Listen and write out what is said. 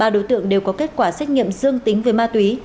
ba đối tượng đều có kết quả xét nghiệm dương tính với ma túy